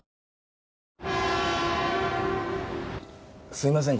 すみません